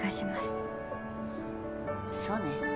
そうね。